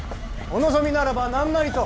お望みならば何なりと！